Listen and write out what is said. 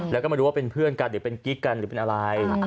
แล้วก็ไม่รู้ว่าเป็นเพื่อนกันหรือเป็นกิ๊กกันหรือเป็นอะไร